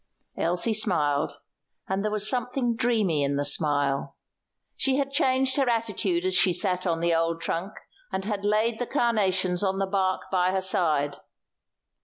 Elsie smiled, and there was something dreamy in the smile. She had changed her attitude as she sat on the old trunk, and had laid the carnations on the bark by her side.